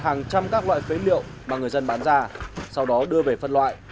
thu mua hàng trăm các loại phế liệu mà người dân bán ra sau đó đưa về phân loại